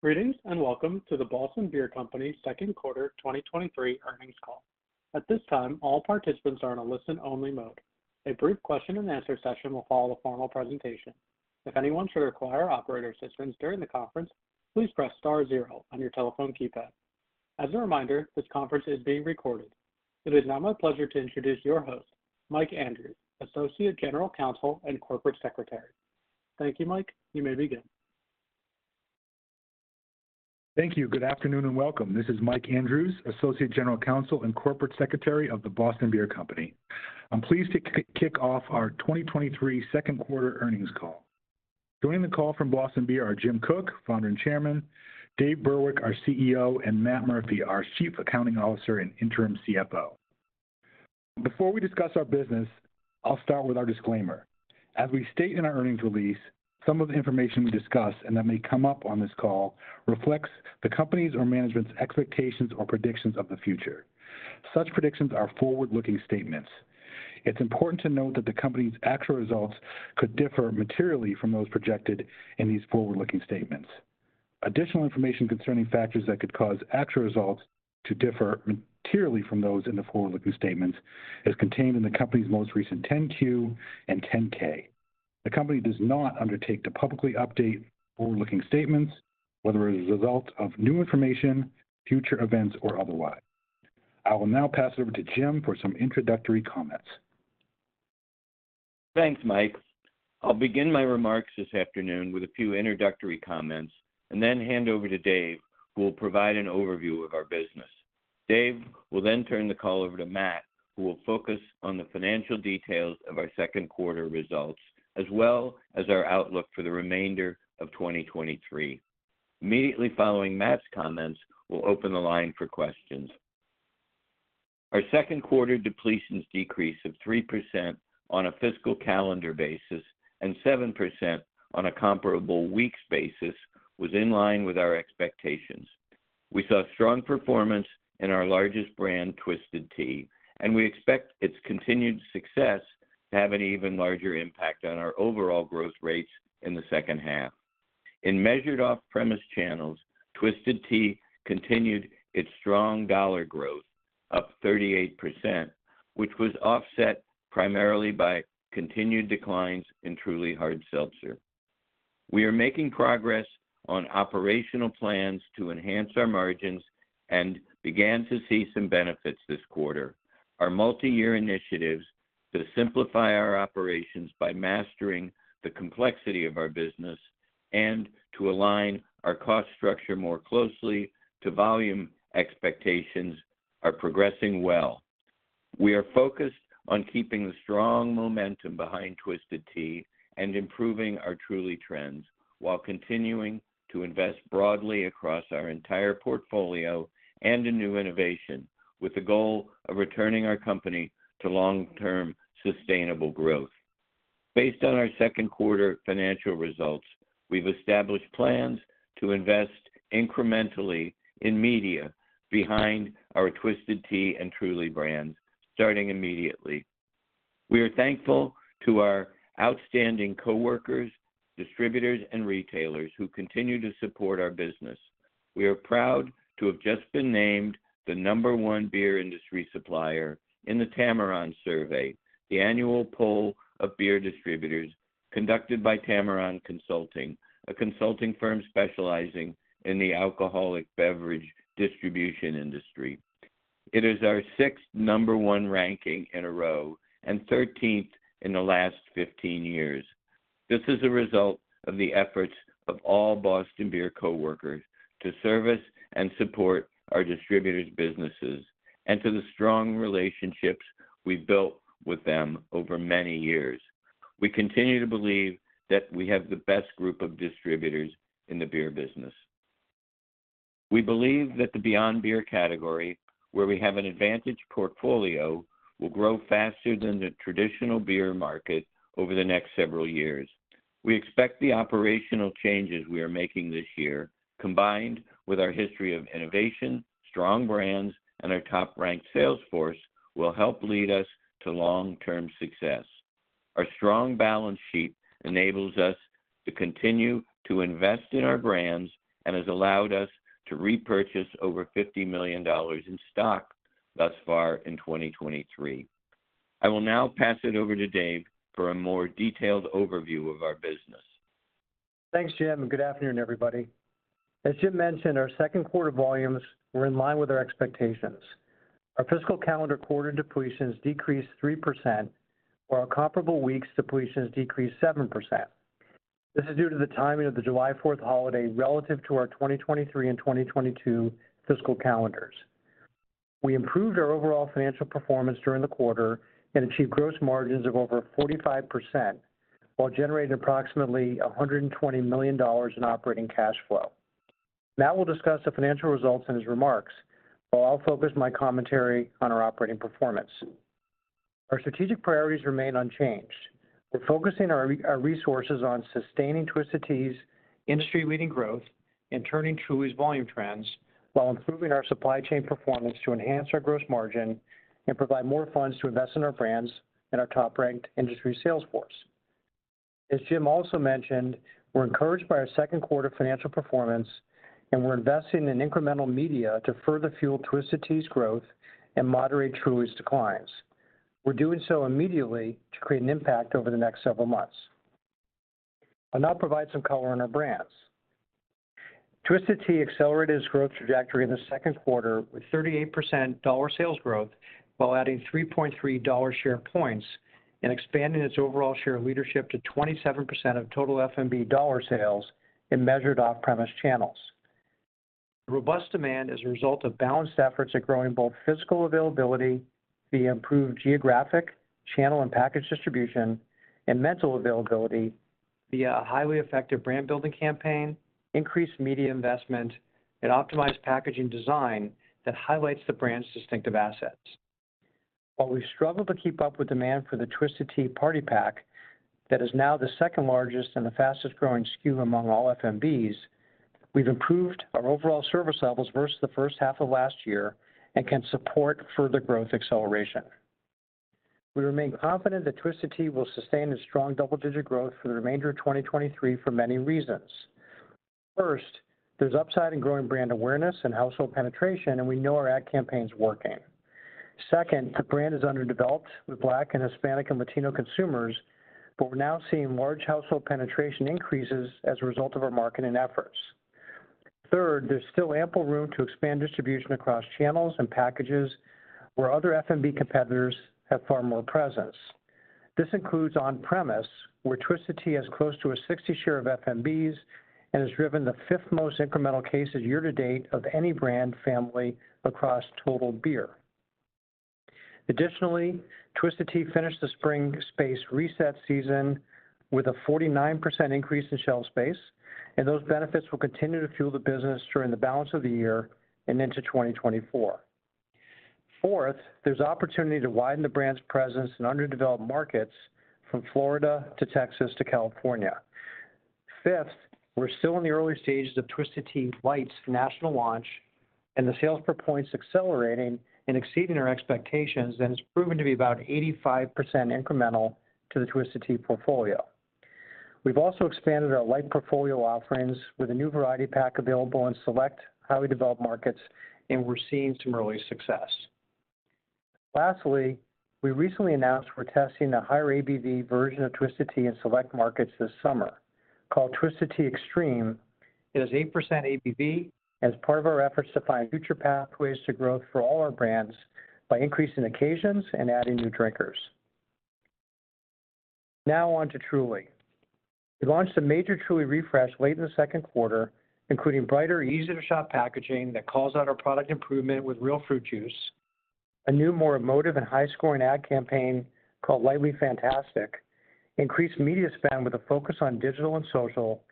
Greetings, welcome to the Boston Beer Company Q2 2023 earnings call. At this time, all participants are in a listen-only mode. A brief question and answer session will follow the formal presentation. If anyone should require operator assistance during the conference, please press star zero on your telephone keypad. As a reminder, this conference is being recorded. It is now my pleasure to introduce your host, Mike Andrews, Associate General Counsel and Corporate Secretary. Thank you, Mike. You may begin. Thank you. Good afternoon, and welcome. This is Mike Andrews, Associate General Counsel and Corporate Secretary of the Boston Beer Company. I'm pleased to kick off our 2023 second quarter earnings call. Joining the call from Boston Beer are Jim Koch, Founder and Chairman; Dave Burwick, our CEO; and Matt Murphy, our Chief Accounting Officer and Interim CFO. Before we discuss our business, I'll start with our disclaimer. As we state in our earnings release, some of the information we discuss and that may come up on this call reflects the Company's or management's expectations or predictions of the future. Such predictions are forward-looking statements. It's important to note that the Company's actual results could differ materially from those projected in these forward-looking statements. Additional information concerning factors that could cause actual results to differ materially from those in the forward-looking statements is contained in the Company's most recent 10-Q and 10-K. The Company does not undertake to publicly update forward-looking statements, whether as a result of new information, future events, or otherwise. I will now pass it over to Jim for some introductory comments. Thanks, Mike. I'll begin my remarks this afternoon with a few introductory comments and then hand over to Dave, who will provide an overview of our business. Dave will then turn the call over to Matt, who will focus on the financial details of our second quarter results, as well as our outlook for the remainder of 2023. Immediately following Matt's comments, we'll open the line for questions. Our second quarter depletions decrease of 3% on a fiscal calendar basis and 7% on a comparable weeks basis was in line with our expectations. We saw strong performance in our largest brand, Twisted Tea, and we expect its continued success to have an even larger impact on our overall growth rates in the second half. In measured off-premise channels, Twisted Tea continued its strong dollar growth, up 38%, which was offset primarily by continued declines in Truly Hard Seltzer. We are making progress on operational plans to enhance our margins and began to see some benefits this quarter. Our multi-year initiatives to simplify our operations by mastering the complexity of our business and to align our cost structure more closely to volume expectations are progressing well. We are focused on keeping the strong momentum behind Twisted Tea and improving our Truly trends, while continuing to invest broadly across our entire portfolio and in new innovation, with the goal of returning our company to long-term sustainable growth. Based on our second quarter financial results, we've established plans to invest incrementally in media behind our Twisted Tea and Truly brands, starting immediately. We are thankful to our outstanding coworkers, distributors, and retailers who continue to support our business. We are proud to have just been named the number one beer industry supplier in the Tamarron Survey, the annual poll of beer distributors conducted by Tamarron Consulting, a consulting firm specializing in the alcoholic beverage distribution industry. It is our 6th number one ranking in a row, and 13th in the last 15 years. This is a result of the efforts of all Boston Beer coworkers to service and support our distributors' businesses and to the strong relationships we've built with them over many years. We continue to believe that we have the best group of distributors in the beer business. We believe that the beyond beer category, where we have an advantaged portfolio, will grow faster than the traditional beer market over the next several years. We expect the operational changes we are making this year, combined with our history of innovation, strong brands, and our top-ranked sales force, will help lead us to long-term success. Our strong balance sheet enables us to continue to invest in our brands and has allowed us to repurchase over $50 million in stock thus far in 2023. I will now pass it over to Dave for a more detailed overview of our business. Thanks, Jim. Good afternoon, everybody. As Jim mentioned, our second quarter volumes were in line with our expectations. Our fiscal calendar quarter depletions decreased 3%, while our comparable weeks depletions decreased 7%. This is due to the timing of the July 4th holiday relative to our 2023 and 2022 fiscal calendars. We improved our overall financial performance during the quarter and achieved gross margins of over 45%, while generating approximately $120 million in operating cash flow. Matt will discuss the financial results in his remarks, while I'll focus my commentary on our operating performance. Our strategic priorities remain unchanged. We're focusing our resources on sustaining Twisted Tea's industry-leading growth and turning Truly's volume trends- While improving our supply chain performance to enhance our gross margin and provide more funds to invest in our brands and our top-ranked industry sales force. As Jim also mentioned, we're encouraged by our second quarter financial performance, and we're investing in incremental media to further fuel Twisted Tea's growth and moderate Truly declines. We're doing so immediately to create an impact over the next several months. I'll now provide some color on our brands. Twisted Tea accelerated its growth trajectory in the second quarter, with 38% dollar sales growth, while adding $3.3 share points and expanding its overall share leadership to 27% of total FMB dollar sales in measured off-premise channels. The robust demand is a result of balanced efforts at growing both physical availability via improved geographic, channel, and package distribution, and mental availability via a highly effective brand-building campaign, increased media investment, and optimized packaging design that highlights the brand's distinctive assets. While we've struggled to keep up with demand for the Twisted Tea Party Pack, that is now the second largest and the fastest-growing SKU among all FMBs, we've improved our overall service levels versus the first half of last year and can support further growth acceleration. We remain confident that Twisted Tea will sustain its strong double-digit growth for the remainder of 2023 for many reasons. First, there's upside in growing brand awareness and household penetration, and we know our ad campaign's working. Second, the brand is underdeveloped with Black and Hispanic and Latino consumers. We're now seeing large household penetration increases as a result of our marketing efforts. Third, there's still ample room to expand distribution across channels and packages where other FMB competitors have far more presence. This includes on-premise, where Twisted Tea has close to a 60% share of FMBs and has driven the fifth most incremental cases year-to-date of any brand family across total beer. Additionally, Twisted Tea finished the spring space reset season with a 49% increase in shelf space. Those benefits will continue to fuel the business during the balance of the year and into 2024. Fourth, there's opportunity to widen the brand's presence in underdeveloped markets from Florida to Texas to California. Fifth, we're still in the early stages of Twisted Tea Light's national launch, and the sales per point is accelerating and exceeding our expectations, and it's proven to be about 85% incremental to the Twisted Tea portfolio. We've also expanded our light portfolio offerings with a new variety pack available in select, highly developed markets, and we're seeing some early success. Lastly, we recently announced we're testing a higher ABV version of Twisted Tea in select markets this summer. Called Twisted Tea Extreme, it is 8% ABV as part of our efforts to find future pathways to growth for all our brands by increasing occasions and adding new drinkers. Now on to Truly. We launched a major Truly refresh late in the second quarter, including brighter, easier-to-shop packaging that calls out our product improvement with real fruit juice, a new, more emotive and high-scoring ad campaign called Lightly Fantastic, increased media spend with a focus on digital and social,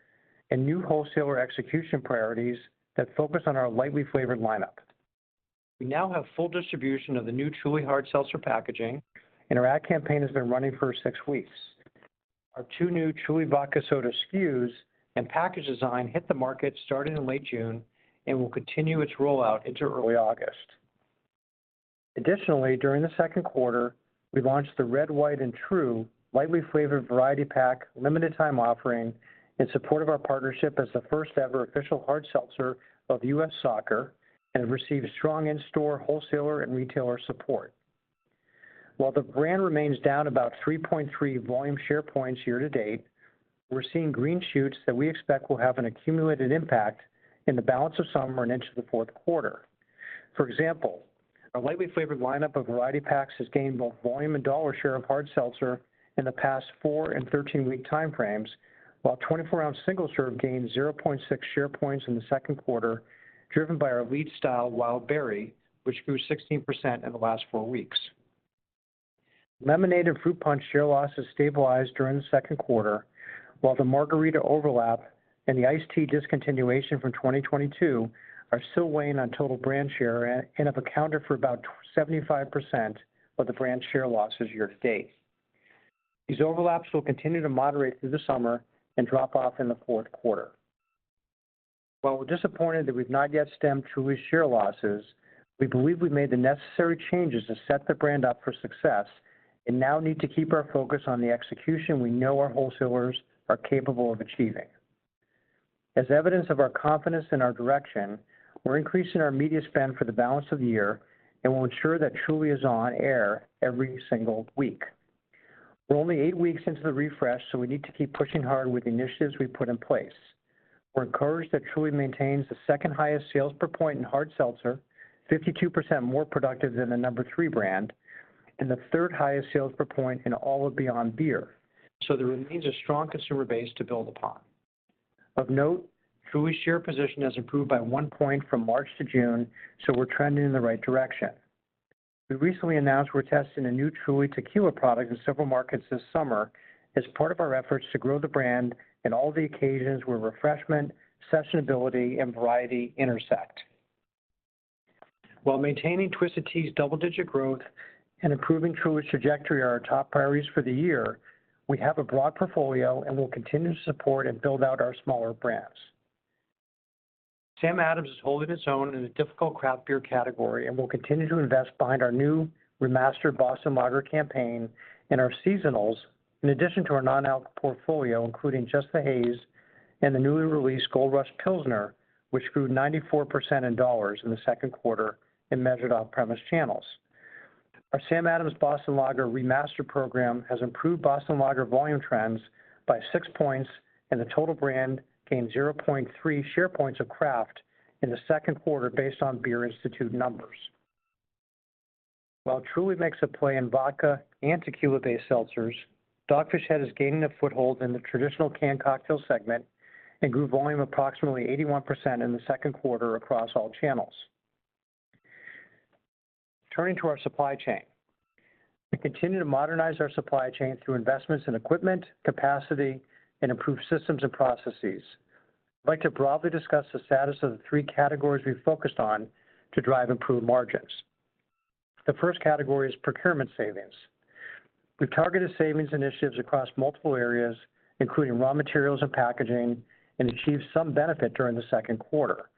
and new wholesaler execution priorities that focus on our lightly flavored lineup. We now have full distribution of the new Truly Hard Seltzer packaging, and our ad campaign has been running for six weeks. Our two new Truly Vodka Soda SKUs and package design hit the market starting in late June and will continue its rollout into early August. Additionally, during the second quarter, we launched the Red, White, and True lightly flavored variety pack, limited time offering, in support of our partnership as the first-ever official hard seltzer of U.S. Soccer, and received strong in-store wholesaler and retailer support. While the brand remains down about 3.3 volume share points year-to-date, we're seeing green shoots that we expect will have an accumulated impact in the balance of summer and into the fourth quarter. For example, our lightly flavored lineup of variety packs has gained both volume and dollar share of hard seltzer in the past four- and 13-week time frames, while 24-ounce single-serve gained 0.6 share points in the second quarter, driven by our lead style, Wild Berry, which grew 16% in the last four weeks. Lemonade and fruit punch share losses stabilized during the second quarter, while the margarita overlap and the iced tea discontinuation from 2022 are still weighing on total brand share and have accounted for about 75% of the brand share losses year-to-date. These overlaps will continue to moderate through the summer and drop off in the fourth quarter. While we're disappointed that we've not yet stemmed Truly's share losses, we believe we made the necessary changes to set the brand up for success and now need to keep our focus on the execution we know our wholesalers are capable of achieving. As evidence of our confidence in our direction, we're increasing our media spend for the balance of the year and will ensure that Truly is on air every single week. We're only eight weeks into the refresh, so we need to keep pushing hard with the initiatives we've put in place. We're encouraged that Truly maintains the second-highest sales per point in hard seltzer, 52% more productive than the number three brand, and the third highest sales per point in all of Beyond Beer. There remains a strong consumer base to build upon. Of note, Truly's share position has improved by one point from March to June. We're trending in the right direction. We recently announced we're testing a new Truly tequila product in several markets this summer as part of our efforts to grow the brand in all the occasions where refreshment, sessionability, and variety intersect. While maintaining Twisted Tea's double-digit growth and improving Truly's trajectory are our top priorities for the year, we have a broad portfolio, and we'll continue to support and build out our smaller brands. Sam Adams is holding its own in a difficult craft beer category, and we'll continue to invest behind our new remastered Boston Lager campaign and our seasonals, in addition to our non-alc portfolio, including Just the Haze and the newly released Gold Rush Pilsner, which grew 94% in dollars in the second quarter in measured off-premise channels. Our Sam Adams Boston Lager remaster program has improved Boston Lager volume trends by 6 points, and the total brand gained 0.3 share points of craft in the second quarter based on Beer Institute numbers. While Truly makes a play in vodka and tequila-based seltzers, Dogfish Head is gaining a foothold in the traditional canned cocktail segment and grew volume approximately 81% in the second quarter across all channels. Turning to our supply chain. We continue to modernize our supply chain through investments in equipment, capacity, and improved systems and processes. I'd like to broadly discuss the status of the three categories we focused on to drive improved margins. The first category is procurement savings. We've targeted savings initiatives across multiple areas, including raw materials and packaging, and achieved some benefit during the second quarter.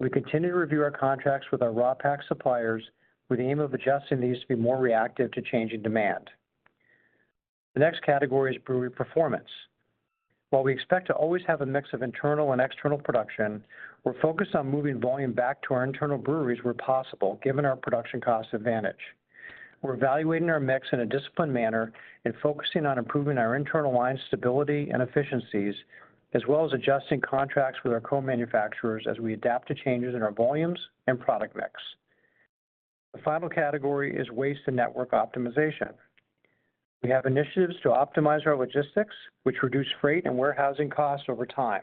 We continue to review our contracts with our raw pack suppliers with the aim of adjusting these to be more reactive to changing demand. The next category is brewery performance. While we expect to always have a mix of internal and external production, we're focused on moving volume back to our internal breweries where possible, given our production cost advantage. We're evaluating our mix in a disciplined manner and focusing on improving our internal line stability and efficiencies, as well as adjusting contracts with our co-manufacturers as we adapt to changes in our volumes and product mix. The final category is waste and network optimization. We have initiatives to optimize our logistics, which reduce freight and warehousing costs over time.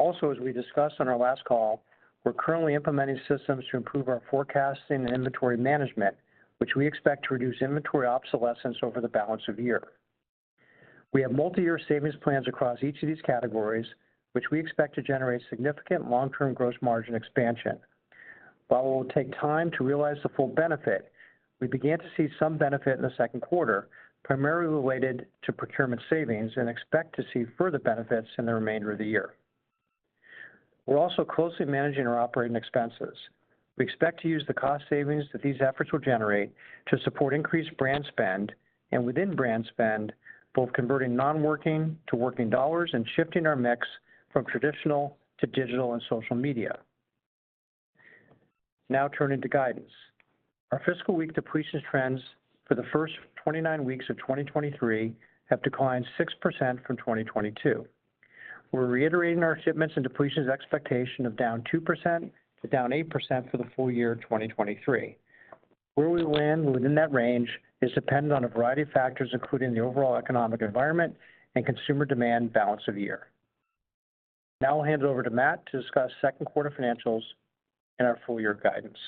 As we discussed on our last call, we're currently implementing systems to improve our forecasting and inventory management, which we expect to reduce inventory obsolescence over the balance of the year. We have multi-year savings plans across each of these categories, which we expect to generate significant long-term gross margin expansion. While it will take time to realize the full benefit, we began to see some benefit in the second quarter, primarily related to procurement savings and expect to see further benefits in the remainder of the year. We're also closely managing our operating expenses. We expect to use the cost savings that these efforts will generate to support increased brand spend, and within brand spend, both converting non-working to working dollars and shifting our mix from traditional to digital and social media. Turning to guidance. Our fiscal week depletion trends for the first 29 weeks of 2023 have declined 6% from 2022. We're reiterating our shipments and depletions expectation of down 2% to down 8% for the full-year of 2023. Where we land within that range is dependent on a variety of factors, including the overall economic environment and consumer demand balance of year. I'll hand it over to Matt to discuss second quarter financials and our full-year guidance.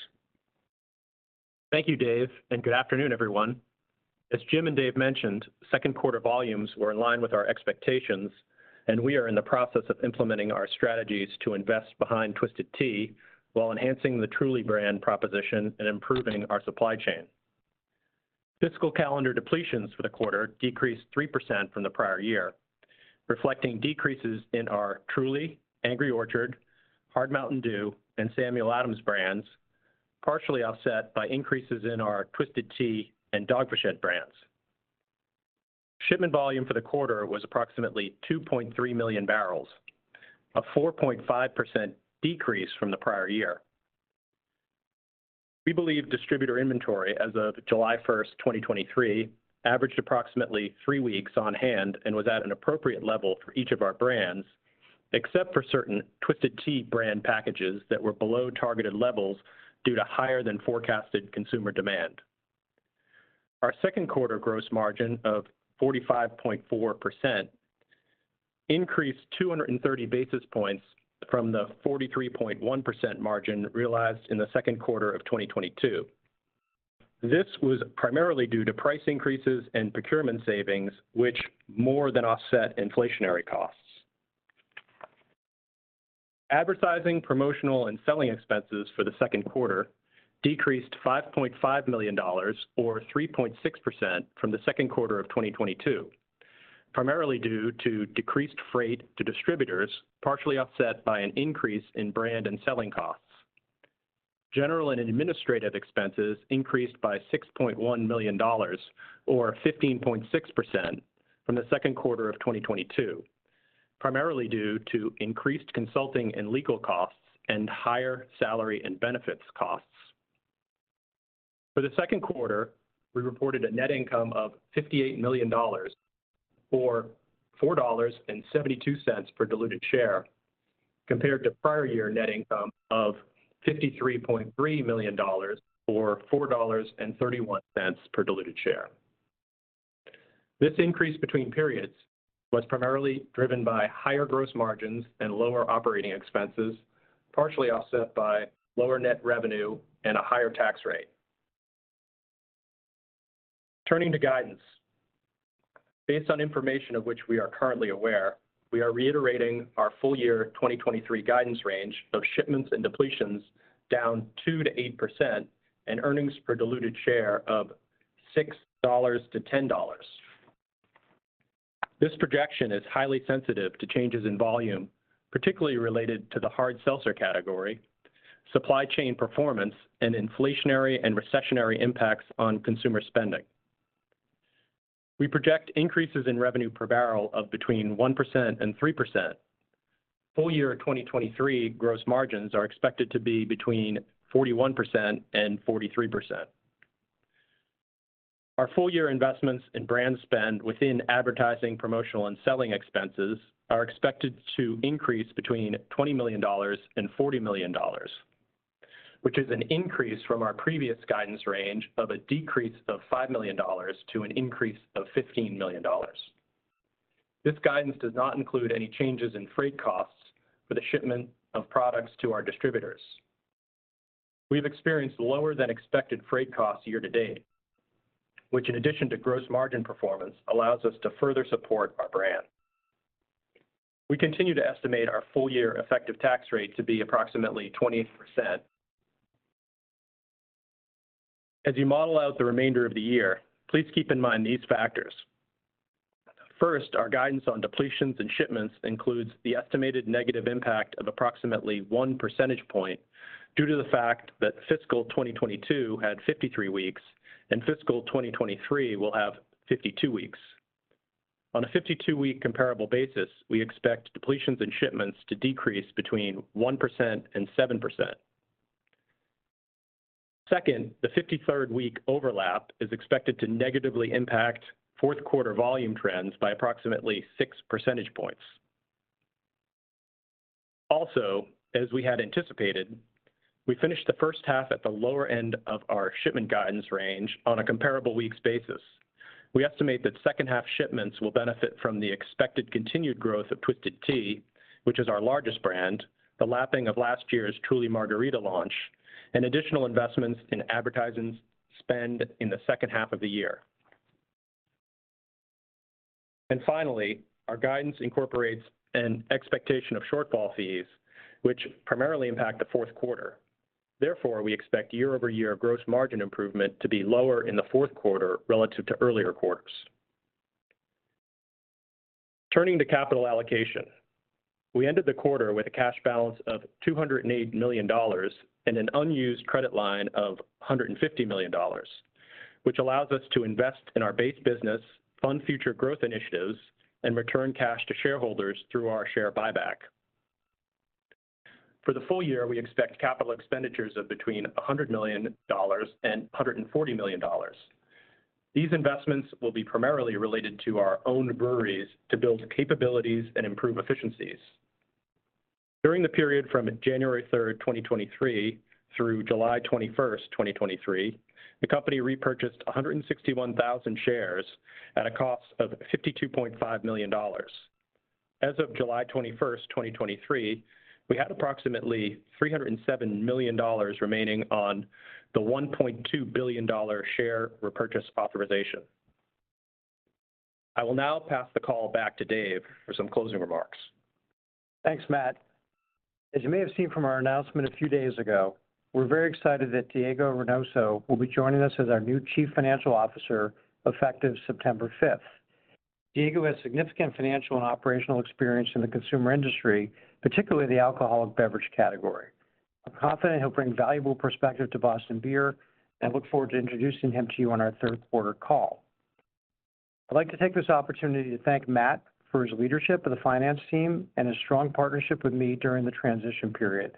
Thank you, Dave, and good afternoon, everyone. As Jim and Dave mentioned, second quarter volumes were in line with our expectations, and we are in the process of implementing our strategies to invest behind Twisted Tea while enhancing the Truly brand proposition and improving our supply chain. Fiscal calendar depletions for the quarter decreased 3% from the prior year, reflecting decreases in our Truly, Angry Orchard, Hard Mountain Dew, and Samuel Adams brands, partially offset by increases in our Twisted Tea and Dogfish Head brands. Shipment volume for the quarter was approximately 2.3 million barrels, a 4.5% decrease from the prior year. We believe distributor inventory as of July 1, 2023, averaged approximately three weeks on hand and was at an appropriate level for each of our brands, except for certain Twisted Tea brand packages that were below targeted levels due to higher than forecasted consumer demand. Our second quarter gross margin of 45.4% increased 230 basis points from the 43.1% margin realized in the second quarter of 2022. This was primarily due to price increases and procurement savings, which more than offset inflationary costs. Advertising, promotional, and selling expenses for the second quarter decreased $5.5 million or 3.6% from the second quarter of 2022, primarily due to decreased freight to distributors, partially offset by an increase in brand and selling costs. General and administrative expenses increased by $6.1 million or 15.6% from the second quarter of 2022, primarily due to increased consulting and legal costs and higher salary and benefits costs. For the second quarter, we reported a net income of $58 million, or $4.72 per diluted share, compared to prior year net income of $53.3 million, or $4.31 per diluted share. This increase between periods was primarily driven by higher gross margins and lower operating expenses, partially offset by lower net revenue and a higher tax rate. Turning to guidance. Based on information of which we are currently aware, we are reiterating our full-year 2023 guidance range of shipments and depletions down 2%-8% and earnings per diluted share of $6-$10. This projection is highly sensitive to changes in volume, particularly related to the hard seltzer category, supply chain performance, and inflationary and recessionary impacts on consumer spending. We project increases in revenue per barrel of between 1%-3%. Full-year 2023 gross margins are expected to be between 41%-43%. Our full-year investments in brand spend within advertising, promotional, and selling expenses are expected to increase between $20 million-$40 million, which is an increase from our previous guidance range of a decrease of $5 million to an increase of $15 million. This guidance does not include any changes in freight costs for the shipment of products to our distributors. We've experienced lower than expected freight costs year-to-date, which in addition to gross margin performance, allows us to further support our brand. We continue to estimate our full-year effective tax rate to be approximately 20%. As you model out the remainder of the year, please keep in mind these factors. First, our guidance on depletions and shipments includes the estimated negative impact of approximately 1 percentage point, due to the fact that fiscal year 2022 had 53 weeks and fiscal year 2023 will have 52 weeks. On a 52-week comparable basis, we expect depletions and shipments to decrease between 1% and 7%. Second, the 53rd week overlap is expected to negatively impact fourth quarter volume trends by approximately 6 percentage points. Also, as we had anticipated, we finished the first half at the lower end of our shipment guidance range on a comparable weeks basis. We estimate that second half shipments will benefit from the expected continued growth of Twisted Tea, which is our largest brand, the lapping of last year's Truly Margarita launch, and additional investments in advertising spend in the second half of the year. Finally, our guidance incorporates an expectation of shortfall fees, which primarily impact the fourth quarter. Therefore, we expect year-over-year gross margin improvement to be lower in the fourth quarter relative to earlier quarters. Turning to capital allocation. We ended the quarter with a cash balance of $208 million and an unused credit line of $150 million, which allows us to invest in our base business, fund future growth initiatives, and return cash to shareholders through our share buyback. For the full-year, we expect capital expenditures of between $100 million and $140 million. These investments will be primarily related to our own breweries to build capabilities and improve efficiencies. During the period from January 3, 2023, through July 21, 2023, the company repurchased 161,000 shares at a cost of $52.5 million. As of July 21, 2023, we had approximately $307 million remaining on the $1.2 billion share repurchase authorization. I will now pass the call back to Dave for some closing remarks. Thanks, Matt. As you may have seen from our announcement a few days ago, we're very excited that Diego Reynoso will be joining us as our new Chief Financial Officer, effective September 5th. Diego has significant financial and operational experience in the consumer industry, particularly the alcoholic beverage category. I'm confident he'll bring valuable perspective to Boston Beer and look forward to introducing him to you on our third quarter call. I'd like to take this opportunity to thank Matt for his leadership of the finance team and his strong partnership with me during the transition period.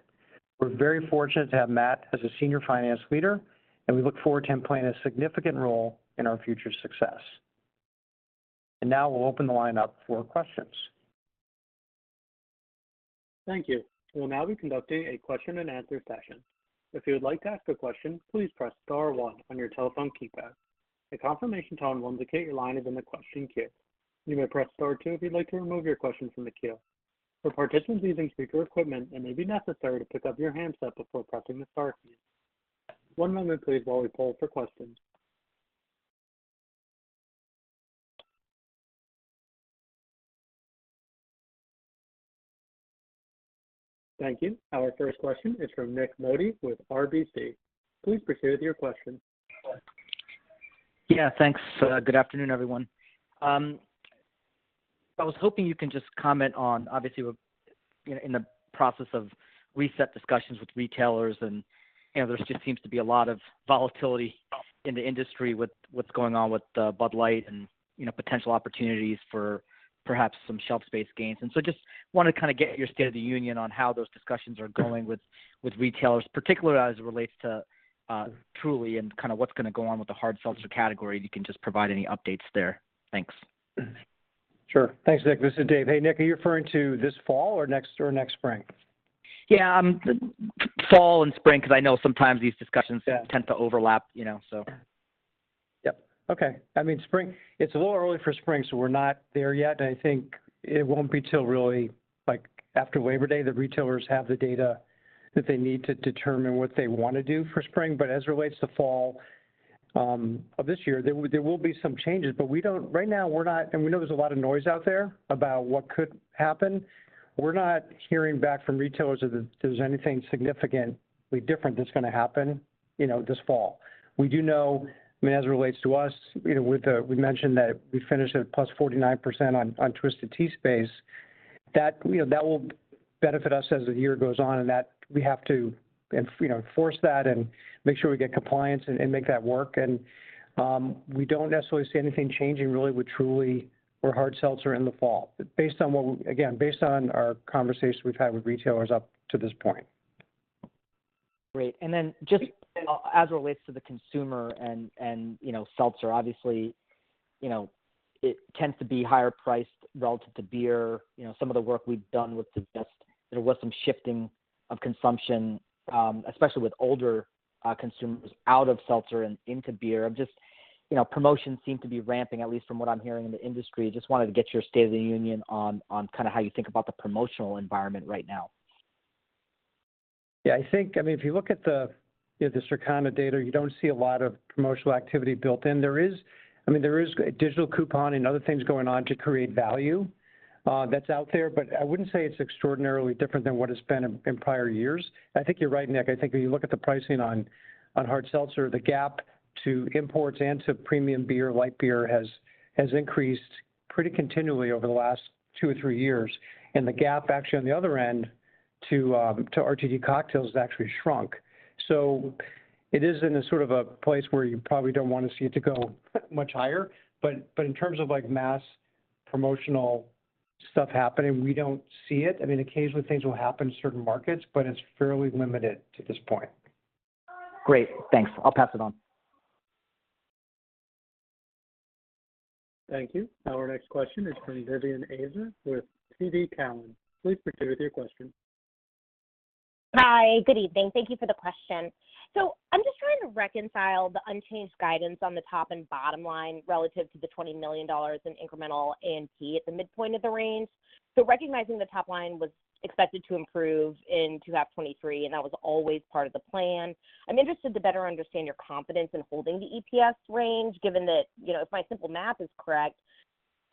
We're very fortunate to have Matt as a senior finance leader, and we look forward to him playing a significant role in our future success. Now we'll open the line up for questions. Thank you. We'll now be conducting a question and answer session. If you would like to ask a question, please press star one on your telephone keypad. A confirmation tone will indicate your line is in the question queue. You may press star two if you'd like to remove your question from the queue. For participants using speaker equipment, it may be necessary to pick up your handset before pressing the star key. One moment please, while we poll for questions. Thank you. Our first question is from Nik Modi with RBC. Please proceed with your question. Yeah, thanks. Good afternoon, everyone. I was hoping you can just comment on, obviously, we're in the process of reset discussions with retailers and, you know, there just seems to be a lot of volatility in the industry with what's going on with Bud Light and, you know, potential opportunities for perhaps some shelf space gains. Just want to kind of get your state of the union on how those discussions are going with, with retailers, particularly as it relates to Truly and kind of what's going to go on with the hard seltzer category. You can just provide any updates there. Thanks. Sure. Thanks, Nik. This is Dave. Hey, Nik, are you referring to this fall or next, or next spring? Yeah, fall and spring, because I know sometimes these discussions. Yeah... tend to overlap, you know, so. Yep. Okay. I mean, spring, it's a little early for spring, so we're not there yet. I think it won't be till really, like, after Labor Day, that retailers have the data that they need to determine what they want to do for spring. As it relates to fall of this year, there will, there will be some changes, but right now, and we know there's a lot of noise out there about what could happen. We're not hearing back from retailers that there's anything significantly different that's gonna happen, you know, this fall. We do know, I mean, as it relates to us, you know, with we mentioned that we finished at +49% on, on Twisted Tea space, that, you know, that will benefit us as the year goes on, and that we have to, you know, force that and make sure we get compliance and, and make that work. We don't necessarily see anything changing really with Truly or hard seltzer in the fall. Based on what again, based on our conversations we've had with retailers up to this point. Great. Just as it relates to the consumer and, and, you know, seltzer, obviously, you know, seltzer, it tends to be higher priced relative to beer. You know, some of the work we've done would suggest there was some shifting of consumption, especially with older consumers out of seltzer and into beer. Just, you know, promotions seem to be ramping, at least from what I'm hearing in the industry. Just wanted to get your state of the union on, on kind of how you think about the promotional environment right now? Yeah, I think, I mean, if you look at the, the Circana data, you don't see a lot of promotional activity built in. I mean, there is a digital coupon and other things going on to create value that's out there, but I wouldn't say it's extraordinarily different than what it's been in, in prior years. I think you're right, Nik. I think when you look at the pricing on, on hard seltzer, the gap to imports and to premium beer, light beer, has, has increased pretty continually over the last two or three years. The gap, actually, on the other end to RTD cocktails, has actually shrunk. It is in a sort of a place where you probably don't want to see it to go much higher. But in terms of, like, mass promotional stuff happening, we don't see it. I mean, occasionally things will happen in certain markets, but it's fairly limited to this point. Great. Thanks. I'll pass it on. Thank you. Our next question is from Vivien Azer with TD Cowen. Please proceed with your question. Hi. Good evening. Thank you for the question. I'm just trying to reconcile the unchanged guidance on the top and bottom line relative to the $20 million in incremental A&P at the midpoint of the range. Recognizing the top line was expected to improve in 2023, and that was always part of the plan, I'm interested to better understand your confidence in holding the EPS range, given that, you know, if my simple math is correct,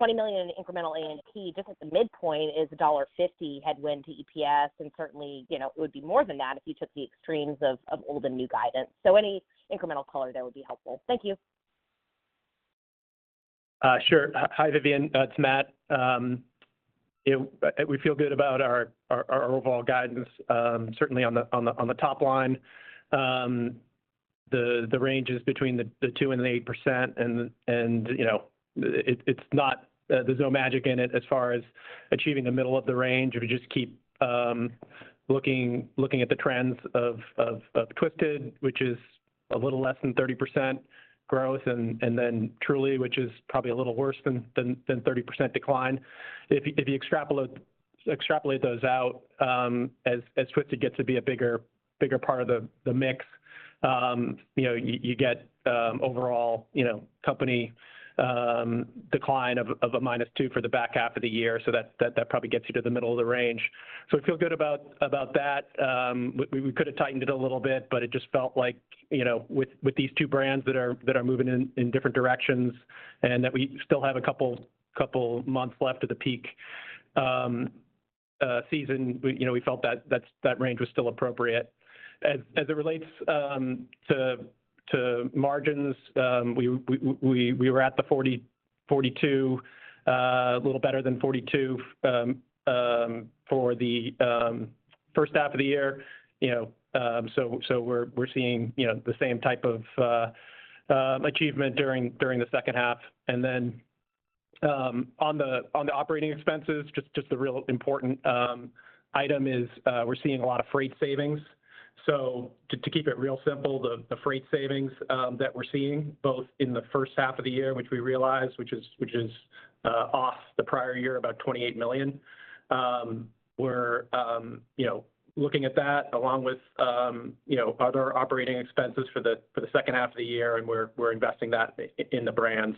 $20 million in incremental A&P, just at the midpoint, is a $1.50 headwind to EPS, and certainly, you know, it would be more than that if you took the extremes of old and new guidance. Any incremental color there would be helpful. Thank you. Sure. Hi, Vivien. It's Matt. We feel good about our, our, our overall guidance, certainly on the, on the, on the top line. The range is between the 2% and the 8%, you know, there's no magic in it as far as achieving the middle of the range. If you just keep looking, looking at the trends of Twisted, which is a little less than 30% growth, then Truly, which is probably a little worse than 30% decline. If you, if you extrapolate, extrapolate those out, as Twisted gets to be a bigger, bigger part of the mix, you know, you, you get overall, you know, company decline of a -2 for the back half of the year. That, that probably gets you to the middle of the range. We feel good about, about that. We, we could have tightened it a little bit, but it just felt like, you know, with, with these two brands that are, that are moving in, in different directions and that we still have a couple, couple months left of the peak season, we, you know, we felt that, that, that range was still appropriate. As, as it relates to, to margins, we, we, we, we were at the 40, 42, a little better than 42 for the first half of the year, you know, so, so we're, we're seeing, you know, the same type of achievement during, during the second half. On the, on the operating expenses, just, just the real important, item is, we're seeing a lot of freight savings. To, to keep it real simple, the, the freight savings that we're seeing, both in the first half of the year, which we realized, which is, which is, off the prior year, about $28 million, we're, you know, looking at that, along with, you know, other operating expenses for the, for the second half of the year, and we're, we're investing that in the brand.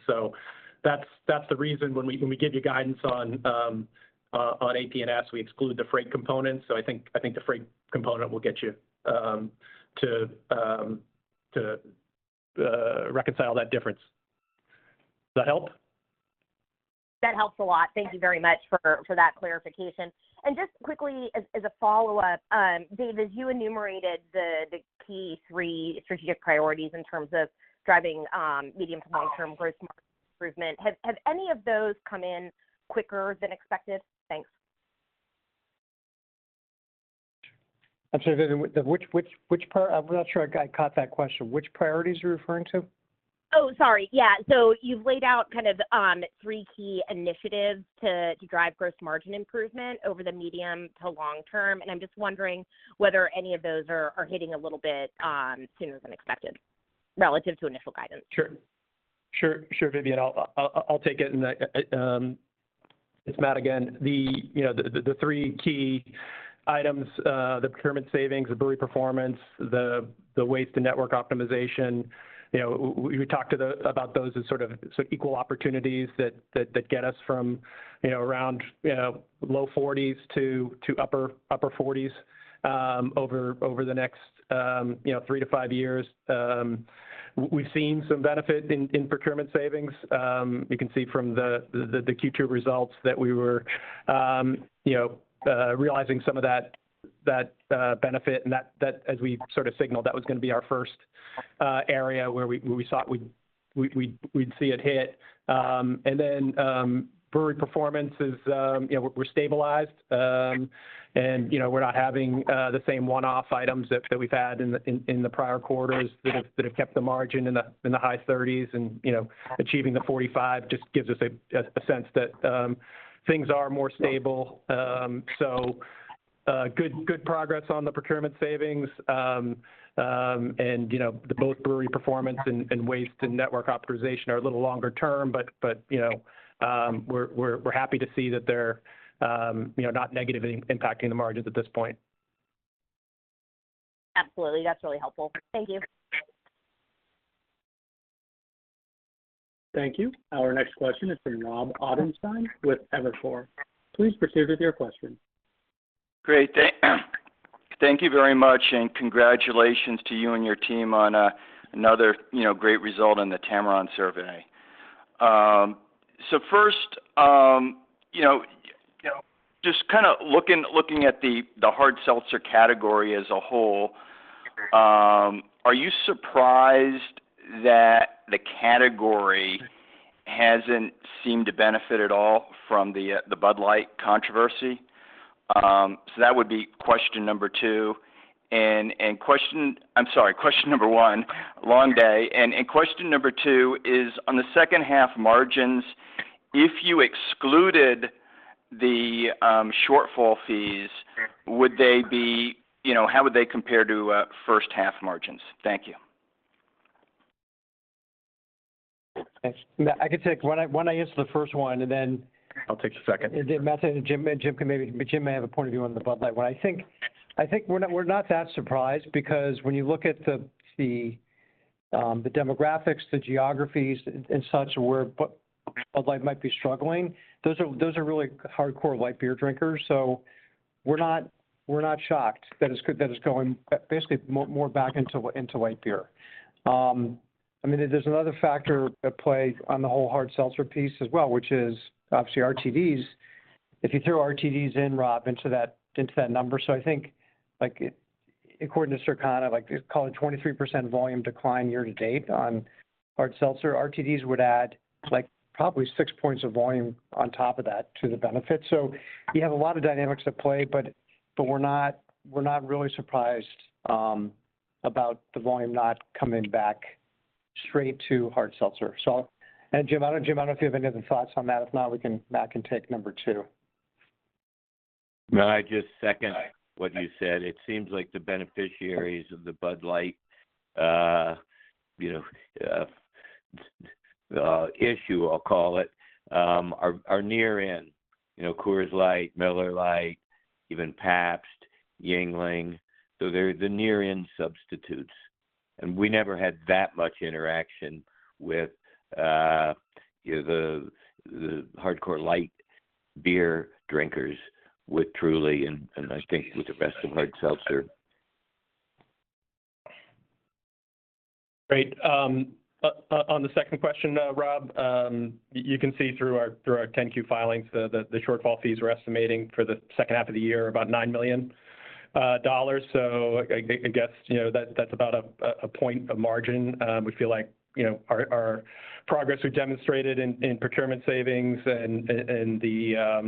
That's, that's the reason when we give you guidance on, on AP&S, we exclude the freight component. I think, I think the freight component will get you to reconcile that difference. Does that help? That helps a lot. Thank you very much for that clarification. Just quickly, as a follow-up, Dave, as you enumerated the key three strategic priorities in terms of driving, medium to long-term growth margin improvement, have any of those come in quicker than expected? Thanks. I'm sorry, Vivien, which, which, which I'm not sure I, I caught that question. Which priorities are you referring to? Oh, sorry. Yeah. You've laid out kind of three key initiatives to, to drive gross margin improvement over the medium to long term, and I'm just wondering whether any of those are, are hitting a little bit sooner than expected relative to initial guidance? Sure. Sure, sure, Vivien. I'll, I'll, I'll take it. It's Matt again. The, you know, the, the, the three key items, the procurement savings, the brewery performance, the, the waste and network optimization. You know, we, we talked to the, about those as sort of, so equal opportunities that, that, that get us from, you know, around, you know, low forties to, to upper, upper forties over, over the next, you know, three to five years. We've seen some benefit in, in procurement savings. You can see from the, the, the Q2 results that we were, you know, realizing some of that, that benefit and that, that as we sort of signaled, that was gonna be our first area where we, where we thought we'd, we'd, we'd see it hit. Then, you know, brewery performance is, you know, we're stabilized. You know, we're not having the same one-off items that we've had in the prior quarters that have kept the margin in the high 30s. You know, achieving the 45 just gives us a sense that things are more stable. Good, good progress on the procurement savings. You know, the both brewery performance and waste to network optimization are a little longer term, but, you know, we're happy to see that they're, you know, not negatively impacting the margins at this point. Absolutely. That's really helpful. Thank you. Thank you. Our next question is from Rob Ottenstein with Evercore. Please proceed with your question. Great, thank you very much. Congratulations to you and your team on another, you know, great result on the Tamarron survey. First, you know, you know, just kind of looking, looking at the hard seltzer category as a whole, are you surprised that the category hasn't seemed to benefit at all from the Bud Light controversy? That would be question number two. Question... I'm sorry, question number one, long day. Question number two is, on the second half margins, if you excluded the shortfall fees, would they be, you know, how would they compare to first half margins? Thank you. Thanks. I can take... When I, when I answer the first one, and then- I'll take the second. Matt and Jim can, Jim may have a point of view on the Bud Light one. I think, I think we're not, we're not that surprised because when you look at the, the, the demographics, the geographies and such, where Bud Light might be struggling, those are, those are really hardcore light beer drinkers. We're not, we're not shocked that it's that it's going basically more, more back into, into light beer. I mean, there's another factor at play on the whole hard seltzer piece as well, which is obviously RTDs. If you throw RTDs in, Rob, into that, into that number, I think, like, according to Circana, like, call it 23% volume decline year-to-date on hard seltzer, RTDs would add, like, probably 6 points of volume on top of that to the benefit. You have a lot of dynamics at play, but, but we're not, we're not really surprised about the volume not coming back straight to hard seltzer. Jim, I don't know, Jim, I don't know if you have any other thoughts on that. If not, we can... Matt can take number two. No, I just second what you said. It seems like the beneficiaries of the Bud Light, you know, issue, I'll call it, are, are near in, you know, Coors Light, Miller Lite, even Pabst, Yuengling. They're the near-in substitutes, and we never had that much interaction with, you know, the, the hardcore light beer drinkers with Truly, and, and I think with the rest of hard seltzer. Great. On the second question, Rob, you can see through our 10-Q filings, the shortfall fees we're estimating for the second half of the year are about $9 million. I guess, you know, that's about a point of margin. We feel like, you know, our progress we've demonstrated in procurement savings and the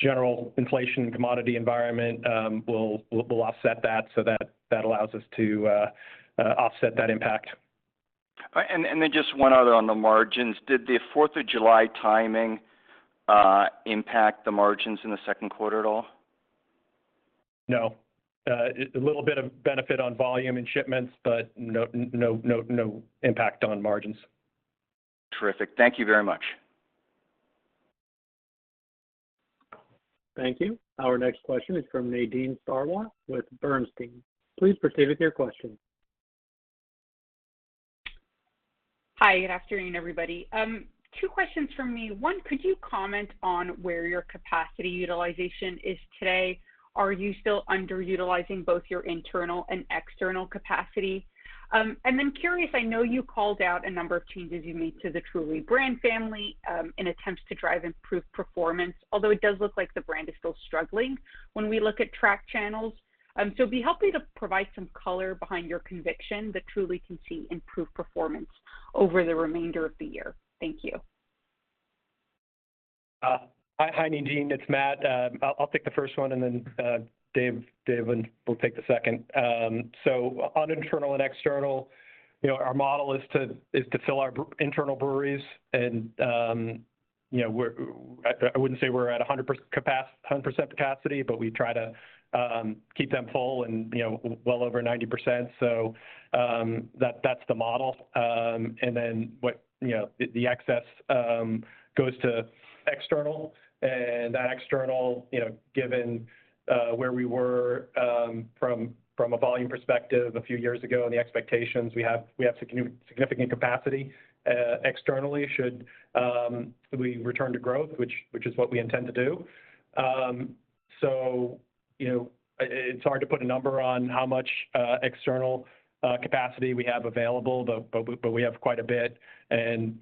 general inflation commodity environment, will offset that, so that allows us to offset that impact. Just one other on the margins. Did the 4th of July timing impact the margins in the second quarter at all? No. A little bit of benefit on volume and shipments, but no, no, no, no impact on margins. Terrific. Thank you very much. Thank you. Our next question is from Nadine Sarwat with Bernstein. Please proceed with your question. Hi, good afternoon, everybody. two questions from me. One, could you comment on where your capacity utilization is today? Are you still underutilizing both your internal and external capacity? Then curious, I know you called out a number of changes you made to the Truly brand family, in attempts to drive improved performance, although it does look like the brand is still struggling when we look at track channels. It'd be helpful to provide some color behind your conviction that Truly can see improved performance over the remainder of the year. Thank you. Hi, Nadine, it's Matt. I'll, I'll take the first one, and then, Dave, Dave, will take the second. So on internal and external, you know, our model is to, is to fill our internal breweries and... you know, we're, I, I wouldn't say we're at 100% hundred percent capacity, but we try to keep them full and, you know, well over 90%. That, that's the model. What, you know, the, the excess goes to external. That external, you know, given where we were from, from a volume perspective a few years ago, and the expectations, we have, we have significant capacity externally, should we return to growth, which, which is what we intend to do. You know, it, it's hard to put a number on how much external capacity we have available, but, but, but we have quite a bit, and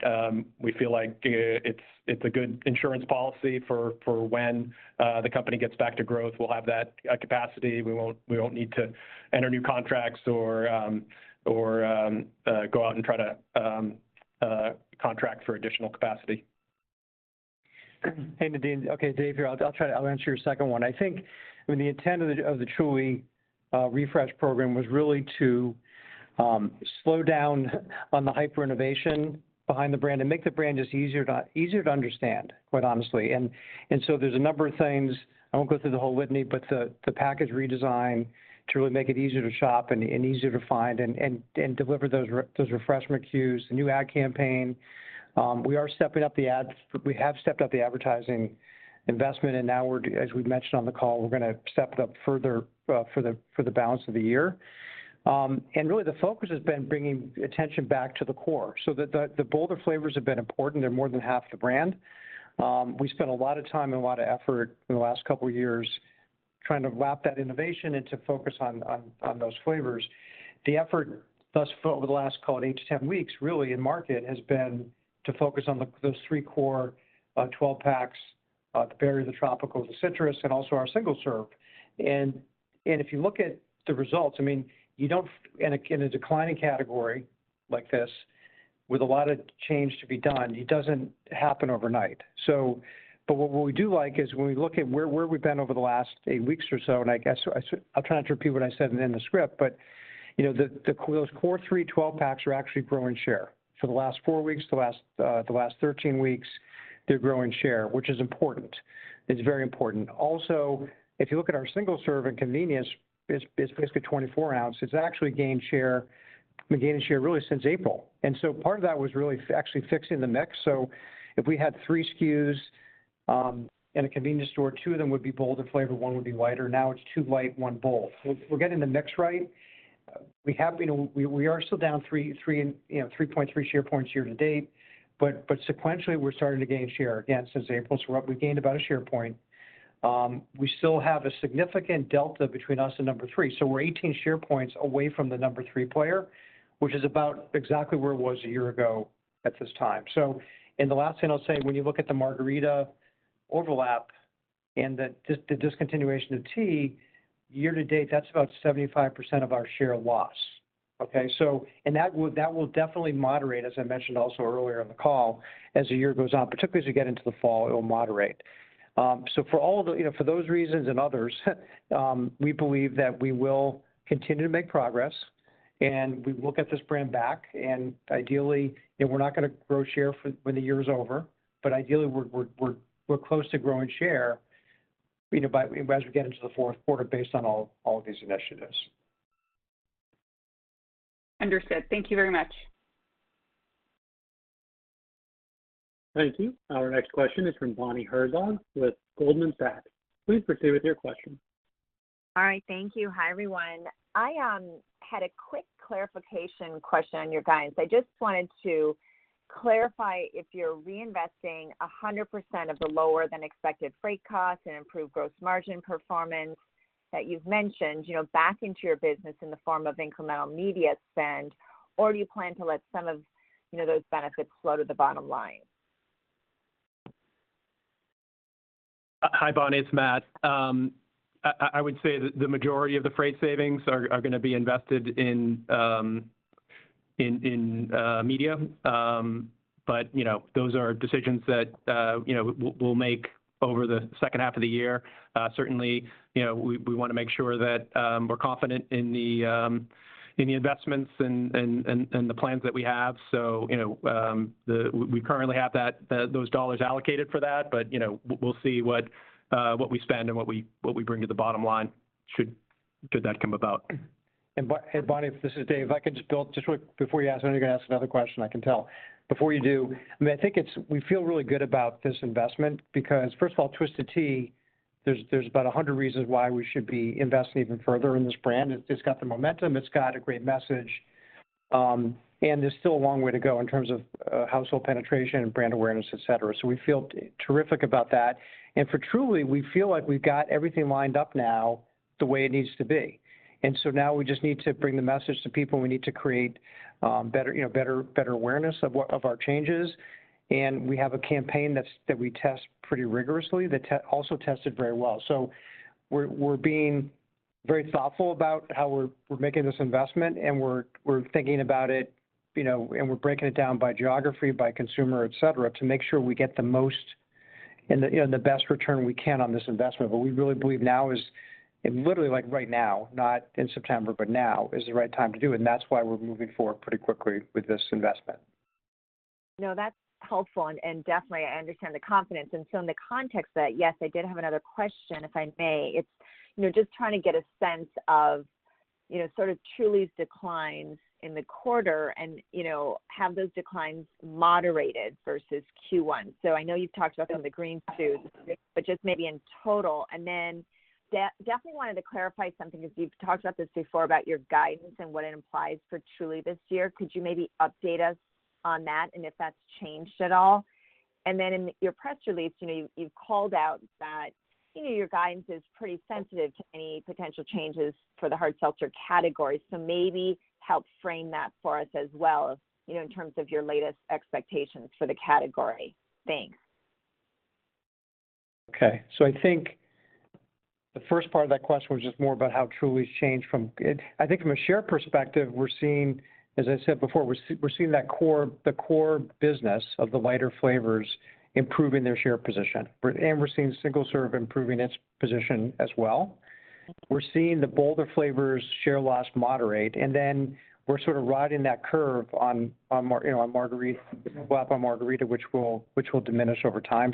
we feel like it's, it's a good insurance policy for, for when the company gets back to growth. We'll have that capacity. We won't, we won't need to enter new contracts or, or go out and try to contract for additional capacity. Hey, Nadine. Okay, Dave here. I'll answer your second one. I think, I mean, the intent of the, of the Truly refresh program was really to slow down on the hyper-innovation behind the brand and make the brand just easier to, easier to understand, quite honestly. So there's a number of things, I won't go through the whole litany, but the, the package redesign to really make it easier to shop and easier to find and deliver those refreshment cues, the new ad campaign. We are stepping up the ads. We have stepped up the advertising investment, and now we're, as we've mentioned on the call, we're gonna step it up further for the balance of the year. Really, the focus has been bringing attention back to the core. The bolder flavors have been important. They're more than half the brand. We spent a lot of time and a lot of effort in the last couple of years trying to lap that innovation and to focus on those flavors. The effort, thus far, over the last, call it eight to 10 weeks, really, in market, has been to focus on those three core 12 packs, the berry, the tropical, the citrus, and also our single serve. If you look at the results, I mean, you don't in a declining category like this, with a lot of change to be done, it doesn't happen overnight. What we do like is when we look at where, where we've been over the last eight weeks or so, and I guess, I'll try not to repeat what I said in the script, but, you know, the, the, those core three 12-packs are actually growing share. The last four weeks, the last 13 weeks, they're growing share, which is important. It's very important. If you look at our single serve in convenience, it's, it's basically 24 ounce. It's actually gained share, gained share really since April, part of that was really actually fixing the mix. If we had three SKUs in a convenience store, two of them would be bolder flavor, one would be lighter. Now it's two light, one bold. We're, we're getting the mix right. We, we are still down, you know, 3.3 share points year-to-date, but sequentially, we're starting to gain share again since April. We're up, we've gained about a share point. We still have a significant delta between us and number three, so we're 18 share points away from the number three player, which is about exactly where it was one year ago at this time. The last thing I'll say, when you look at the margarita overlap and the discontinuation of tea, year-to-date, that's about 75% of our share loss. Okay. That will definitely moderate, as I mentioned also earlier on the call, as the year goes on, particularly as we get into the fall, it will moderate. For all of the, you know, for those reasons and others, we believe that we will continue to make progress, and we will get this brand back, and ideally, you know, we're not gonna grow share for when the year is over, but ideally, we're close to growing share, you know, as we get into the fourth quarter, based on all of these initiatives. Understood. Thank you very much. Thank you. Our next question is from Bonnie Herzog with Goldman Sachs. Please proceed with your question. All right, thank you. Hi, everyone. I had a quick clarification question on your guidance. I just wanted to clarify if you're reinvesting 100% of the lower-than-expected freight costs and improved gross margin performance that you've mentioned, you know, back into your business in the form of incremental media spend, or do you plan to let some of, you know, those benefits flow to the bottom line? Hi, Bonnie, it's Matt. I would say that the majority of the freight savings are gonna be invested in media. You know, those are decisions that, you know, we'll make over the second half of the year. Certainly, you know, we wanna make sure that we're confident in the investments and the plans that we have. You know, we currently have that, those dollars allocated for that, but, you know, we'll see what we spend and what we bring to the bottom line should that come about. Hey, Bonnie, this is Dave. If I could just build. Just before you ask, I know you're gonna ask another question, I can tell. Before you do, I mean, I think it's we feel really good about this investment because, first of all, Twisted Tea, there's, there's about 100 reasons why we should be investing even further in this brand. It's, it's got the momentum, it's got a great message, there's still a long way to go in terms of household penetration and brand awareness, et cetera. We feel terrific about that. For Truly, we feel like we've got everything lined up now the way it needs to be. Now we just need to bring the message to people. We need to create better, you know, better, better awareness of what, of our changes. We have a campaign that we test pretty rigorously, that also tested very well. We're being very thoughtful about how we're making this investment, and we're thinking about it, you know, and we're breaking it down by geography, by consumer, et cetera, to make sure we get the most... and the best return we can on this investment. We really believe now is, and literally like right now, not in September, but now is the right time to do it, and that's why we're moving forward pretty quickly with this investment. No, that's helpful, and definitely I understand the confidence. In the context that, yes, I did have another question, if I may. You know, just trying to get a sense of, you know, sort of Truly's declines in the quarter and, you know, have those declines moderated versus Q1? I know you've talked about some of the green shoots, but just maybe in total. Definitely wanted to clarify something, because you've talked about this before, about your guidance and what it implies for Truly this year. Could you maybe update us on that, and if that's changed at all? In your press release, you know, you've called out that, you know, your guidance is pretty sensitive to any potential changes for the hard seltzer category. Maybe help frame that for us as well, you know, in terms of your latest expectations for the category. Thanks. Okay. I think the first part of that question was just more about how Truly's changed from it. I think from a share perspective, we're seeing, as I said before, we're seeing that core, the core business of the lighter flavors improving their share position. We're seeing single serve improving its position as well. We're seeing the bolder flavors share loss moderate, and then we're sort of riding that curve on, you know, on margarita, Guava Margarita, which will, which will diminish over time.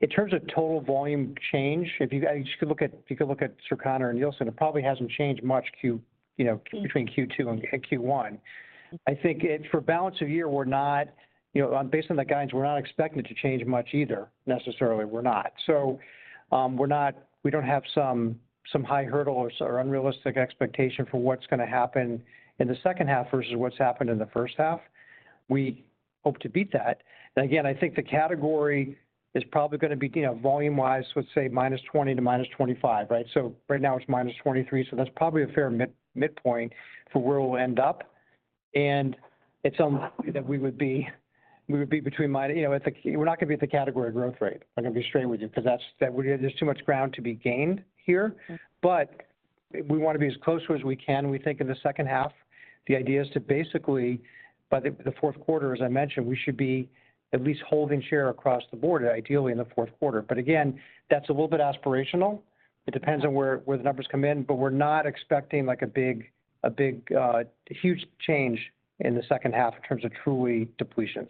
In terms of total volume change, if you could look at Circana and Nielsen, it probably hasn't changed much Q, you know. Mm-hmm... between Q2 and Q1. I think it, for balance of year, we're not, you know, on based on the guidance, we're not expecting it to change much either, necessarily, we're not. We don't have some, some high hurdle or, or unrealistic expectation for what's gonna happen in the second half versus what's happened in the first half. We hope to beat that. Again, I think the category is probably gonna be, you know, volume-wise, let's say, -20 to -25, right? Right now, it's -23, so that's probably a fair midpoint for where we'll end up. It's unlikely that we would be, we would be between, you know, we're not gonna be at the category growth rate. I'm gonna be straight with you, because that's, that there's too much ground to be gained here. Mm. We wanna be as close to as we can. We think in the second half, the idea is to basically, by the, the fourth quarter, as I mentioned, we should be at least holding share across the board, ideally in the fourth quarter. Again, that's a little bit aspirational. It depends on where, where the numbers come in, but we're not expecting like a big, a big, huge change in the second half in terms of Truly depletions.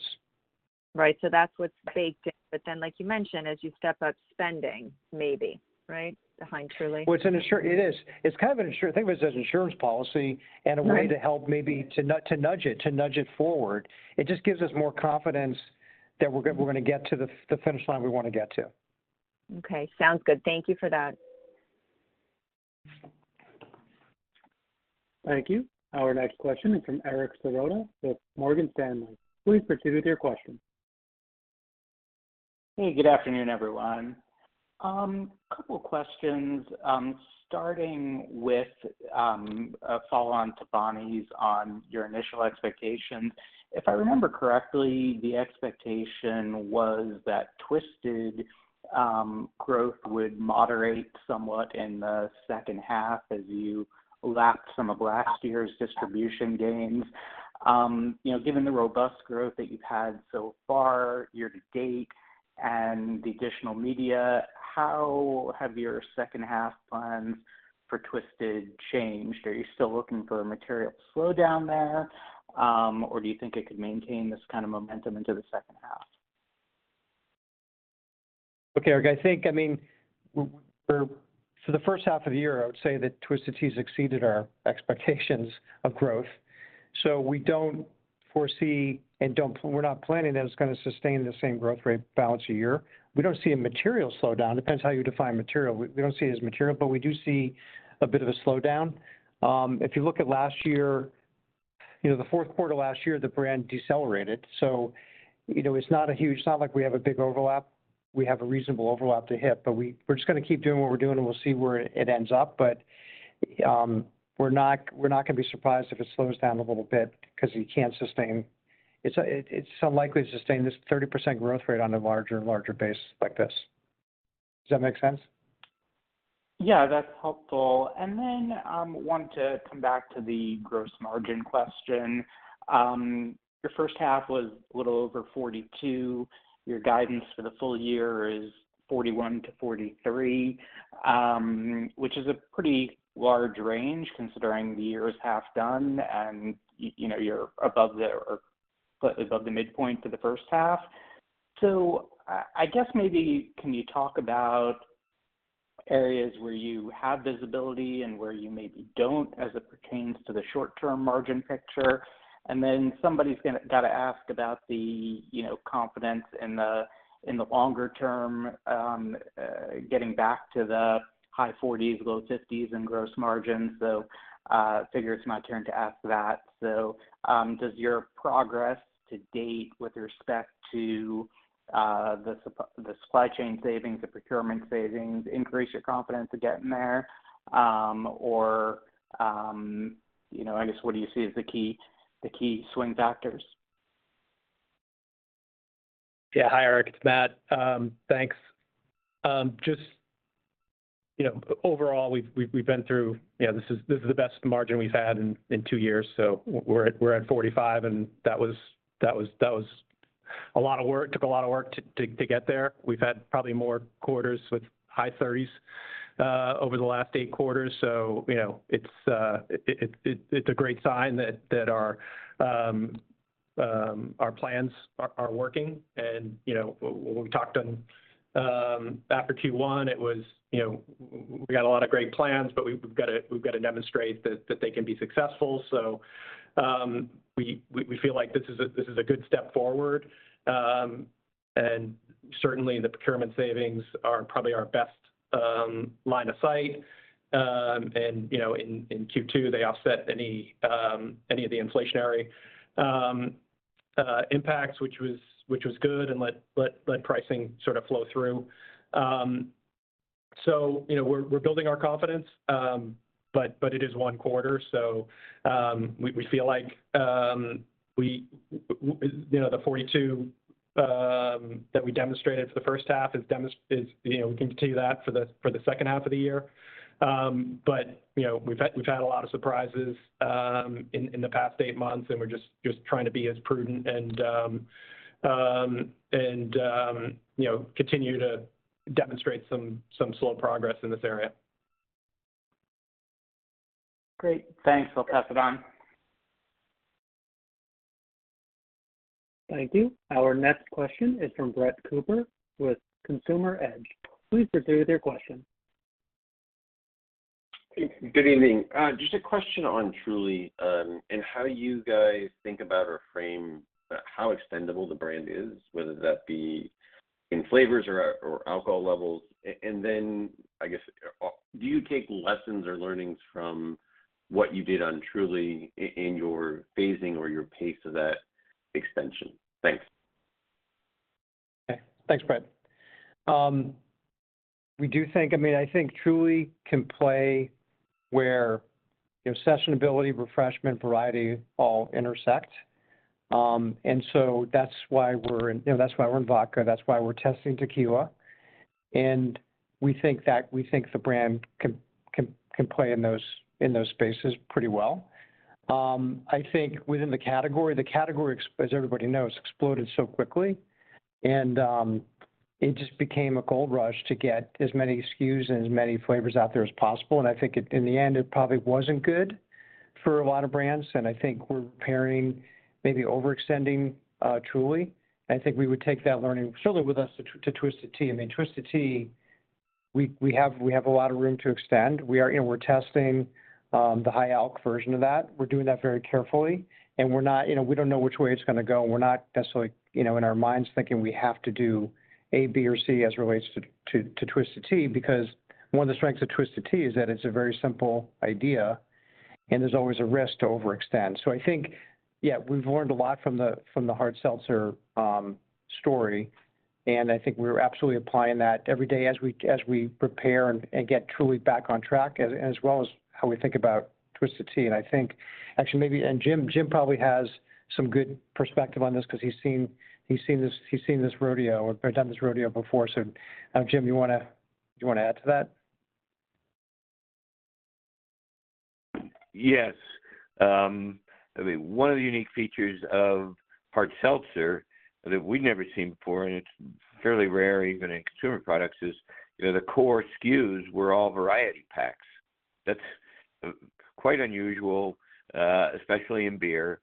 Right. That's what's baked in. Then, like you mentioned, as you step up spending, maybe, right? Behind Truly. Well, it's an insu- it is. It's kind of an insu- think of it as an insurance policy- Right... and a way to help, maybe to nudge it, to nudge it forward. It just gives us more confidence that we're, we're gonna get to the finish line we wanna get to. Okay, sounds good. Thank you for that. Thank you. Our next question is from Eric Serotta with Morgan Stanley. Please proceed with your question. Hey, good afternoon, everyone. Couple questions, starting with, a follow-on to Bonnie's on your initial expectations. If I remember correctly, the expectation was that Twisted, growth would moderate somewhat in the second half as you lacked some of last year's distribution gains. You know, given the robust growth that you've had so far, year-to-date and the additional media, how have your second half plans for Twisted changed? Are you still looking for a material slowdown there, or do you think it could maintain this kind of momentum into the second half? Eric, for the first half of the year, I would say that Twisted Tea's exceeded our expectations of growth. We don't foresee, we're not planning that it's gonna sustain the same growth rate balance a year. We don't see a material slowdown. Depends how you define material. We don't see it as material, but we do see a bit of a slowdown. If you look at last year, you know, the fourth quarter of last year, the brand decelerated. You know, it's not like we have a big overlap. We have a reasonable overlap to hit, but we're just gonna keep doing what we're doing, and we'll see where it, it ends up. We're not, we're not gonna be surprised if it slows down a little bit, because you can't sustain... It's unlikely to sustain this 30% growth rate on a larger and larger base like this. Does that make sense? Yeah, that's helpful. I want to come back to the gross margin question. Your first half was a little over 42%. Your guidance for the full-year is 41%-43%, which is a pretty large range, considering the year is half done and you know, you're above the, or slightly above the midpoint for the first half. I guess maybe, can you talk about areas where you have visibility and where you maybe don't, as it pertains to the short-term margin picture? Somebody's gonna, gotta ask about the, you know, confidence in the, in the longer term, getting back to the high 40s, low 50s in gross margins. Figure it's my turn to ask that. Does your progress to date, with respect to the supply chain savings, the procurement savings, increase your confidence to getting there? Or, you know, I guess, what do you see as the key, the key swing factors? Yeah. Hi, Eric, it's Matt. Thanks. You know, overall, we've, we've, we've been through, you know, this is, this is the best margin we've had in two years. We're at, we're at 45%, and that was, that was, that was a lot of work. It took a lot of work to, to, to get there. We've had probably more quarters with high 30%, over the last eight quarters. You know, it's, it, it, it's a great sign that, that our plans are, are working. You know, when we talked on, after Q1, it was, you know, we got a lot of great plans, but we've gotta, we've gotta demonstrate that, that they can be successful. We, we, we feel like this is a, this is a good step forward. Certainly, the procurement savings are probably our best line of sight. You know, in Q2, they offset any of the inflationary impacts, which was, which was good, and let, let, let pricing sort of flow through. You know, we're building our confidence, but it is one quarter, we feel like, you know, the 42 that we demonstrated for the first half is, you know, we can continue that for the second half of the year. You know, we've had, we've had a lot of surprises in the past eight months, and we're just, just trying to be as prudent and, you know, continue to demonstrate some, some slow progress in this area. Great. Thanks. I'll pass it on. Thank you. Our next question is from Brett Cooper with Consumer Edge. Please proceed with your question. Good evening. Just a question on Truly and how you guys think about or frame how extendable the brand is, whether that be in flavors or alcohol levels. I guess, do you take lessons or learnings from what you did on Truly in your phasing or your pace of that extension? Thanks. Okay. Thanks, Brett. We do think I mean, I think Truly can play where, you know, sessionability, refreshment, variety, all intersect. That's why we're in, you know, that's why we're in vodka. That's why we're testing tequila. We think that, we think the brand can, can, can play in those, in those spaces pretty well. I think within the category, the category, as everybody knows, exploded so quickly, it just became a gold rush to get as many SKUs and as many flavors out there as possible. I think in, in the end, it probably wasn't good for a lot of brands, and I think we're preparing, maybe overextending, Truly. I think we would take that learning certainly with us to, to Twisted Tea. I mean, Twisted Tea, we, we have, we have a lot of room to extend. We are, you know, we're testing the high alc version of that. We're doing that very carefully, and we're not. You know, we don't know which way it's gonna go, and we're not necessarily, you know, in our minds, thinking we have to do A, B, or C as it relates to, to, to Twisted Tea, because one of the strengths of Twisted Tea is that it's a very simple idea, and there's always a risk to overextend. I think, yeah, we've learned a lot from the, from the hard seltzer story, and I think we're absolutely applying that every day as we, as we prepare and, and get Truly back on track, as, as well as how we think about Twisted Tea. I think, actually, maybe, and Jim, Jim probably has some good perspective on this because he's seen, he's seen this, he's seen this rodeo or done this rodeo before. Jim, you wanna, do you wanna add to that? Yes. I mean, one of the unique features of hard seltzer that we'd never seen before, and it's fairly rare even in consumer products, is, you know, the core SKUs were all variety packs. That's quite unusual, especially in beer.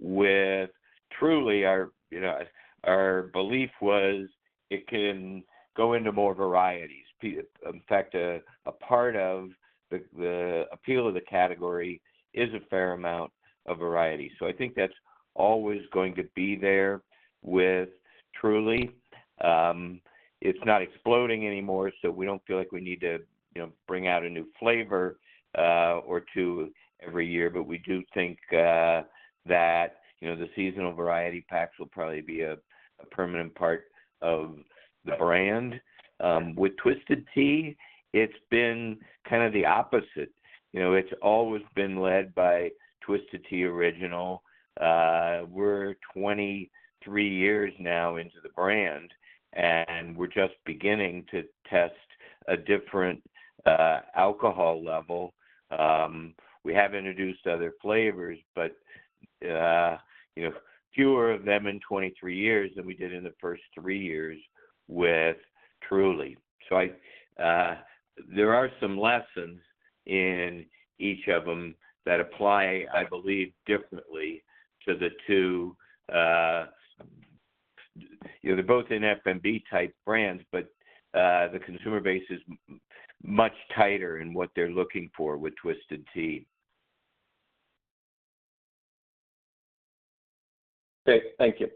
With Truly, our, you know, our belief was it can go into more varieties. In fact, a part of the appeal of the category is a fair amount of variety. I think that's always going to be there with Truly. It's not exploding anymore, so we don't feel like we need to, you know, bring out a new flavor or two every year. We do think that, you know, the seasonal variety packs will probably be a permanent part of the brand. With Twisted Tea, it's been kind of the opposite. You know, it's always been led by Twisted Tea Original. We're 23 years now into the brand, and we're just beginning to test a different alcohol level. We have introduced other flavors, but, you know, fewer of them in 23 years than we did in the first three years with Truly. I, there are some lessons in each of them that apply, I believe, differently to the two. You know, they're both in FMB-type brands, but the consumer base is much tighter in what they're looking for with Twisted Tea. Great. Thank you.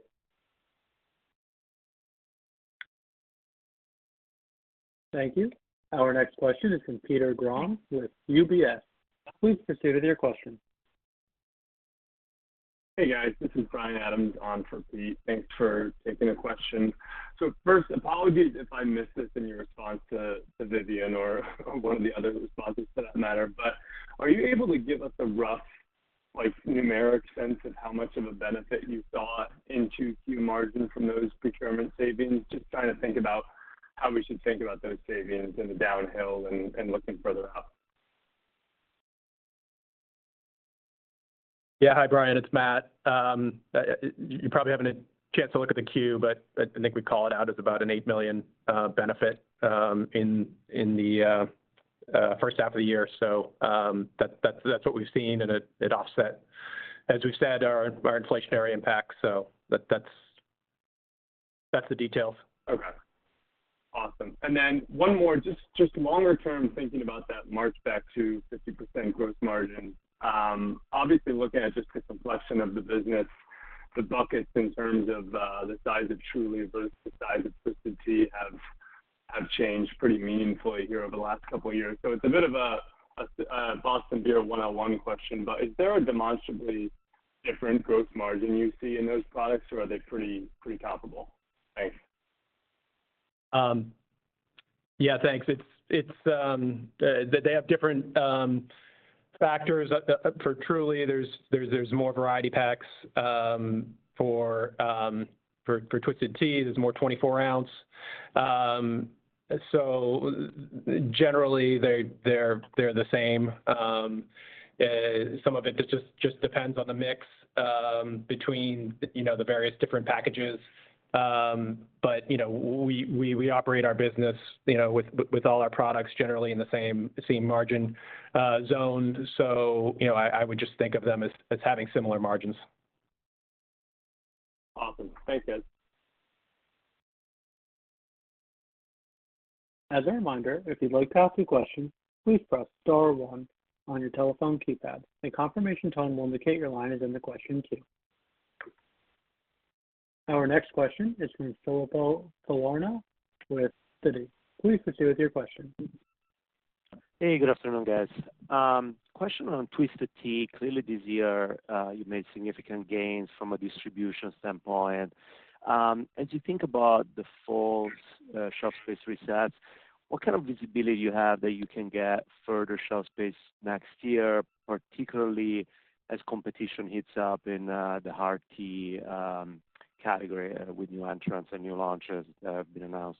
Thank you. Our next question is from Peter Grom with UBS. Please proceed with your question. Hey, guys. This is Bryan Adams on for Pete. Thanks for taking the question. First, apologies if I missed this in your response to Vivien or one of the other responses for that matter, but are you able to give us a rough like, numeric sense of how much of a benefit you saw in Q2 margin from those procurement savings? Just trying to think about how we should think about those savings in the downhill and looking further out. Yeah. Hi, Brian, it's Matt. you, you probably haven't had a chance to look at the queue, but, but I think we call it out as about an $8 million, benefit, in, in the, first half of the year. that, that's, that's what we've seen, and it, it offset, as we've said, our, our inflationary impact. that, that's, that's the details. Okay. Awesome. One more, longer term, thinking about that march back to 50% gross margin. Obviously, looking at just the complexion of the business, the buckets in terms of the size of Truly versus the size of Twisted Tea have changed pretty meaningfully here over the last couple of years. It's a bit of a Boston Beer one-on-one question, but is there a demonstrably different gross margin you see in those products, or are they pretty comparable? Thanks. Yeah, thanks. It's, it's, they, they have different factors. For Truly, there's, there's, there's more variety packs. For, for Twisted Tea, there's more 24 oz. Generally, they're, they're the same. Some of it just, just depends on the mix, between, you know, the various different packages. You know, we, we, we operate our business, you know, with, with all our products generally in the same, same margin zone. You know, I, I would just think of them as, as having similar margins. Awesome. Thanks, guys. As a reminder, if you'd like to ask a question, please press star one on your telephone keypad. A confirmation tone will indicate your line is in the question queue. Our next question is from Filippo Falorni with Citi. Please proceed with your question. Hey, good afternoon, guys. Question on Twisted Tea? Clearly, this year, you made significant gains from a distribution standpoint. As you think about the fall, shelf space resets, what kind of visibility do you have that you can get further shelf space next year, particularly as competition heats up in the hard tea category with new entrants and new launches that have been announced?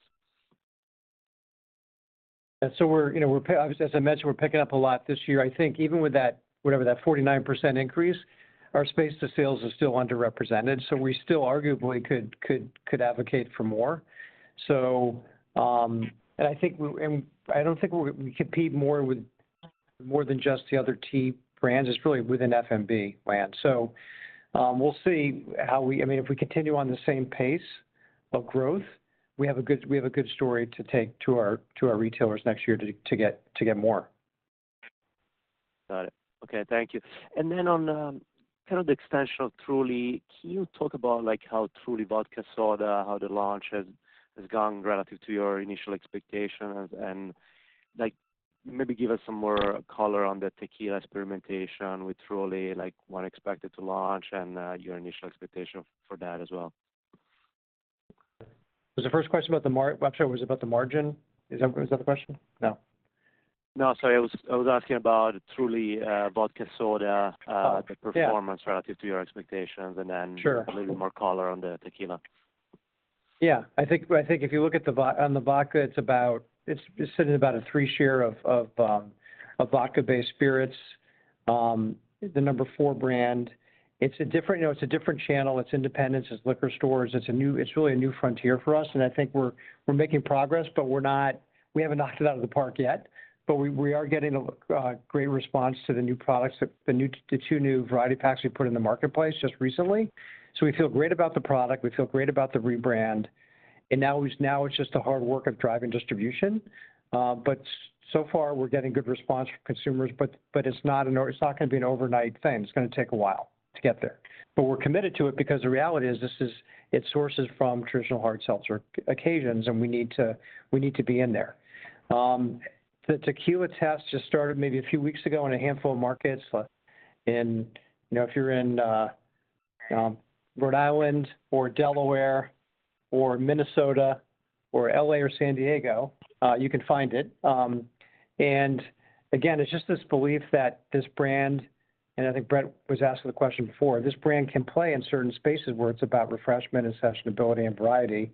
We're, you know, we're obviously, as I mentioned, we're picking up a lot this year. I think even with that, whatever, that 49% increase, our space to sales is still underrepresented, so we still arguably could, could, could advocate for more. I think and I don't think we're compete more with, more than just the other tea brands, it's really within FMB brand. We'll see how we I mean, if we continue on the same pace of growth, we have a good, we have a good story to take to our, to our retailers next year to, to get, to get more. Got it. Okay, thank you. Then on, kind of the extension of Truly, can you talk about, like, how Truly Vodka Soda, how the launch has, has gone relative to your initial expectations? And like, maybe give us some more color on the tequila experimentation with Truly, like when expected to launch and, your initial expectation for that as well? Was the first question about the mar--? I'm sorry, was it about the margin? Is that, was that the question? No. No, sorry. I was, I was asking about Truly Vodka Soda. Got it. Yeah - the performance relative to your expectations, and then- Sure... a little more color on the tequila. Yeah, I think, I think if you look at the vodka, it's about, it's sitting about a three share of, of vodka-based spirits, the number four brand. It's a different, you know, it's a different channel. It's independents, it's liquor stores. It's really a new frontier for us. I think we're, we're making progress, but we haven't knocked it out of the park yet. We, we are getting a, a great response to the new products, the, the new, the two new variety packs we put in the marketplace just recently. We feel great about the product, we feel great about the rebrand. Now it's, now it's just the hard work of driving distribution. So far, we're getting good response from consumers, but, but it's not an overnight thing. It's gonna take a while to get there. We're committed to it because the reality is it sources from traditional hard seltzer occasions, and we need to, we need to be in there. The tequila test just started maybe a few weeks ago in a handful of markets. And you know, if you're in Rhode Island or Delaware or Minnesota or L.A. or San Diego, you can find it. Again, it's just this belief that this brand, and I think Brett was asking the question before, this brand can play in certain spaces where it's about refreshment and sessionability and variety.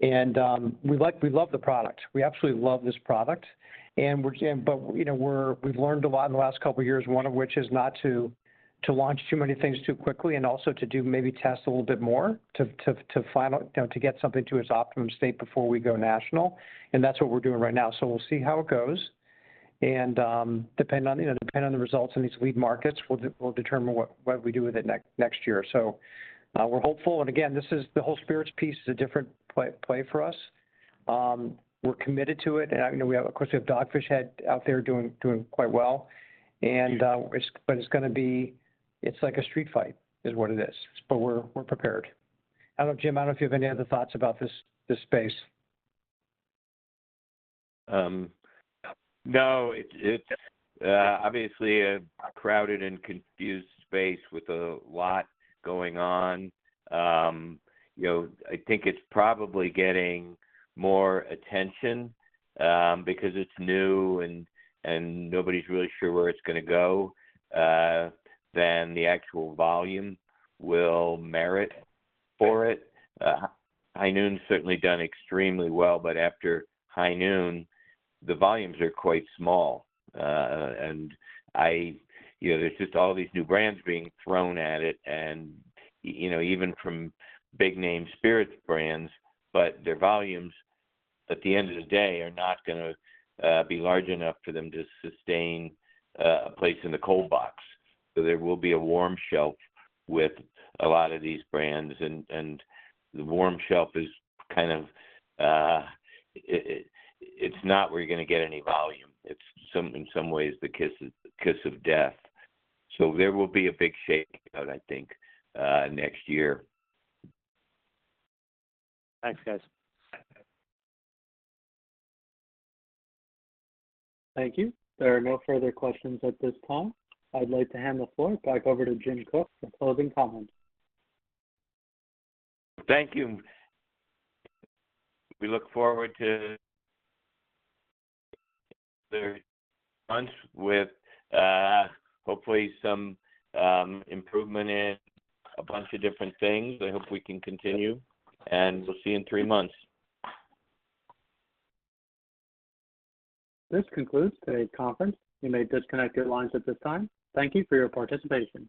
We love the product. We absolutely love this product, and we're, but, you know, we've learned a lot in the last couple of years, one of which is not to launch too many things too quickly, and also to do maybe test a little bit more, to final... You know, to get something to its optimum state before we go national, and that's what we're doing right now. We'll see how it goes. Depending on, you know, depending on the results in these lead markets, we'll determine what, what we do with it next, next year. We're hopeful, and again, this is, the whole spirits piece is a different play for us. We're committed to it, and, you know, we have, of course, we have Dogfish Head out there doing, doing quite well. It's, but it's gonna be, it's like a street fight, is what it is, but we're, we're prepared. I don't know, Jim, I don't know if you have any other thoughts about this, this space. No, it's, it's obviously a crowded and confused space with a lot going on. You know, I think it's probably getting more attention because it's new and nobody's really sure where it's gonna go than the actual volume will merit for it. High Noon certainly done extremely well. After High Noon, the volumes are quite small. You know, there's just all these new brands being thrown at it and, you know, even from big-name spirits brands, but their volumes, at the end of the day, are not gonna be large enough for them to sustain a place in the cold box. There will be a warm shelf with a lot of these brands, and the warm shelf is kind of, it, it's not where you're gonna get any volume. It's in some ways, the kiss, the kiss of death. There will be a big shakeout, I think, next year. Thanks, guys. Thank you. There are no further questions at this time. I'd like to hand the floor back over to Jim Koch for closing comments. Thank you. We look forward to the months with, hopefully some improvement in a bunch of different things. I hope we can continue, and we'll see you in three months. This concludes today's conference. You may disconnect your lines at this time. Thank you for your participation.